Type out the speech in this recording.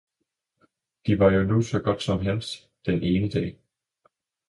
De var jo nu så godt som hans, den ene dag.